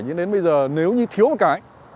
nhưng đến bây giờ nếu như thiếu một cái